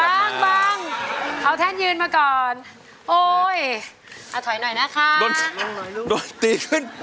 รักเราเหมือนกันเดิม